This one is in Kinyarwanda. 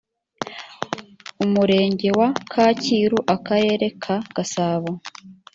umurenge wa kacyiru akarere ka gasabo